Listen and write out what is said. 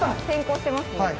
先行してますね。